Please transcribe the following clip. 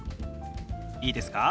いいですか？